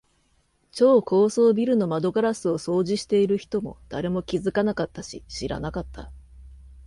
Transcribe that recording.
超高層ビルの窓ガラスを掃除している人も、誰も気づかなかったし、知らなかった。